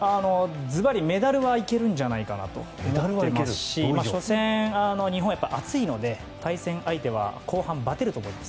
ずばり、メダルはいけるんじゃないかなと思っていますし初戦、日本は暑いので対戦相手は後半ばてると思います。